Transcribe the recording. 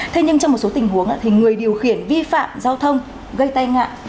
thế nhưng trong một số tình huống thì người điều khiển vi phạm giao thông gây tai nạn